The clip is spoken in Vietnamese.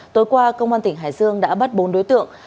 tối qua công an tỉnh hải dương đã bắt bốn đối tượng